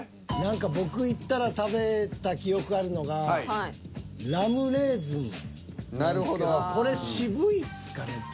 何か僕行ったら食べた記憶があるのがラムレーズンなんですけどこれ渋いっすかね。